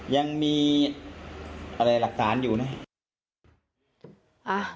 ยังมีอะไรหลักฐานอยู่นะ